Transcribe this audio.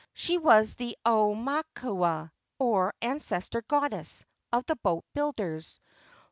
She was the aumakua, or ancestor goddess, of the boat builders.